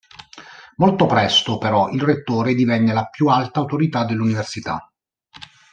Molto presto però, il rettore divenne la più alta autorità dell'università.